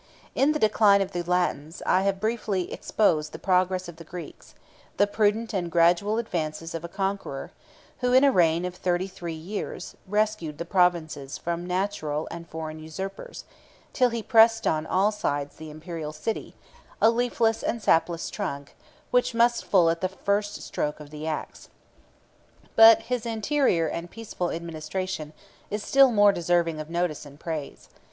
In the decline of the Latins, I have briefly exposed the progress of the Greeks; the prudent and gradual advances of a conqueror, who, in a reign of thirty three years, rescued the provinces from national and foreign usurpers, till he pressed on all sides the Imperial city, a leafless and sapless trunk, which must full at the first stroke of the axe. But his interior and peaceful administration is still more deserving of notice and praise.